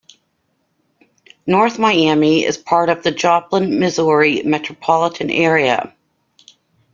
North Miami is part of the Joplin, Missouri metropolitan area.